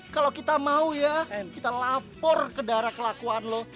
kalau kita mau ya kita lapor ke darah kelakuan loh